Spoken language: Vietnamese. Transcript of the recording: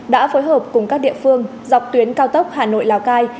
đã phối hợp cùng các địa phương dọc tuyến cao tốc hà nội lào cai